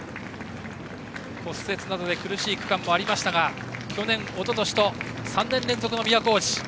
骨折などで苦しい期間もありましたが去年、おととしと３年連続の都大路。